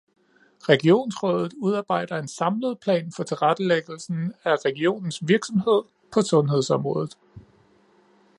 Regionsrådet udarbejder en samlet plan for tilrettelæggelsen af regionens virksomhed på sundhedsområdet